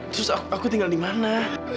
terus aku tinggal di mana